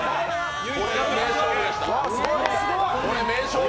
これ、名勝負でした。